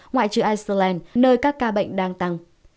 ngoại trừ iceland nơi các ca bệnh đang tăng